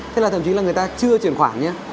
thế là thậm chí là người ta chưa chuyển khoản nhé